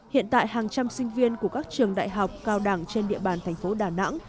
hiện tại hàng trăm sinh viên của các trường đại học cao đẳng trên địa bàn thành phố đà nẵng